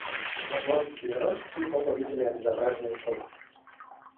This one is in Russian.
Облонский и Вронский оба видели обезображенный труп.